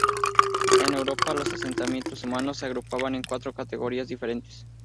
En Europa los asentamientos humanos se agrupaban en cuatro categorías diferentes.